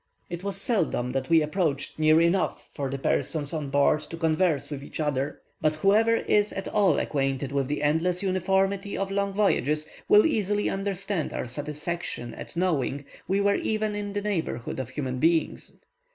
It was seldom that we approached near enough for the persons on board to converse with each other; but whoever is at all acquainted with the endless uniformity of long voyages, will easily understand our satisfaction at knowing we were even in the neighbourhood of human beings.